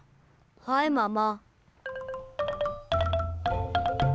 はいママ。